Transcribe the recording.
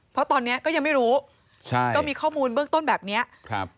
เพราะตอนเนี้ยก็ยังไม่รู้ใช่ก็มีข้อมูลเบื้องต้นแบบเนี้ยครับ